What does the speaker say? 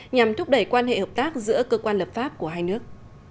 nhằm thúc đẩy quan hệ hợp tác giữa cơ quan lập pháp của hai nước